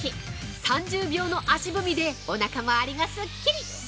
３０秒の足踏みでおなか周りがスッキリ！